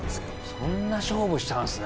そんな勝負したんですね